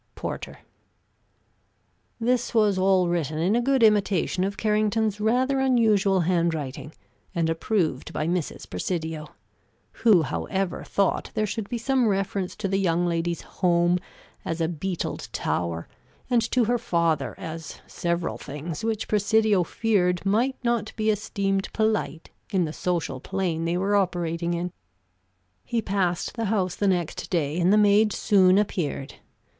Porter." This was all written in a good imitation of Carrington's rather unusual handwriting, and approved by Mrs. Presidio; who, however, thought there should be some reference to the young lady's home as a beetled tower, and to her father as several things which Presidio feared might not be esteemed polite in the social plane they were operating in. He passed the house the next day, and the maid soon appeared.